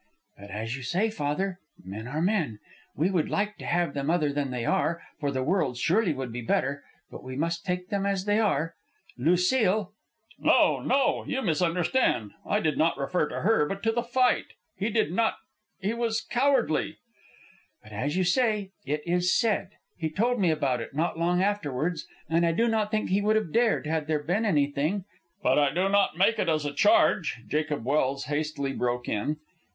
"But as you say, father, men are men. We would like to have them other than they are, for the world surely would be better; but we must take them as they are. Lucile " "No, no; you misunderstand. I did not refer to her, but to the fight. He did not ... he was cowardly." "But as you say, it is said. He told me about it, not long afterwards, and I do not think he would have dared had there been anything " "But I do not make it as a charge," Jacob Welse hastily broke in.